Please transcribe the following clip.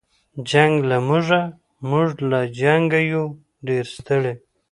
جنګ له موږه موږ له جنګه یو ډېر ستړي